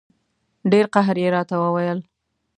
ډېر قهر یې راته وویل.